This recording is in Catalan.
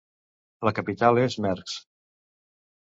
La capital és Mersch.